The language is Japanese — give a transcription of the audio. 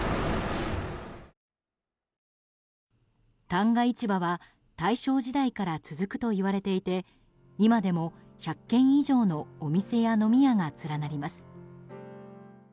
旦過市場は大正時代から続くといわれていて今でも１００軒以上のお店や飲み屋が連なります。